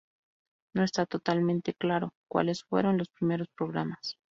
No está totalmente claro cuáles fueron los primeros programas.